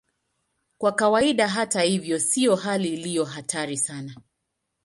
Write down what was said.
Kwa kawaida, hata hivyo, sio hali iliyo hatari sana.